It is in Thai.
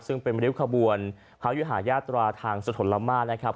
ซึ่งเป็นริ้วขบวนพระยุหายาตราทางสถลมากนะครับ